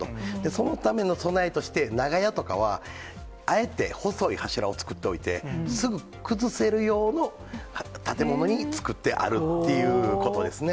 そのための備えとして、長屋とかはあえて細い柱を造っておいて、すぐ崩せる用の建物に造ってあるっていうことですね。